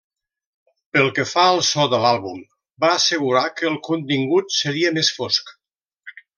Pel que fa al so de l'àlbum, va assegurar que el contingut seria més fosc.